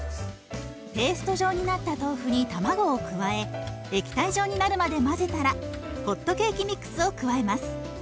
ペースト状になった豆腐に卵を加え液体状になるまで混ぜたらホットケーキミックスを加えます。